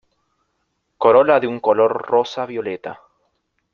Corola de un color rosa violeta.